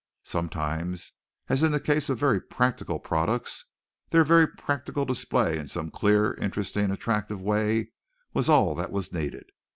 Sometimes, as in the case of very practical products, their very practical display in some clear, interesting, attractive way was all that was needed.